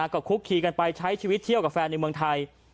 ก็คุกคีกันไปใช้ชีวิตเที่ยวกับแฟนในเมืองไทย